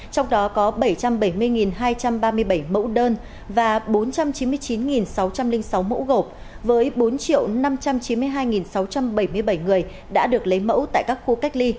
trong đó có bảy trăm bảy mươi hai trăm ba mươi bảy mẫu đơn và bốn trăm chín mươi chín sáu trăm linh sáu mẫu gộp với bốn năm trăm chín mươi hai sáu trăm bảy mươi bảy người đã được lấy mẫu tại các khu cách ly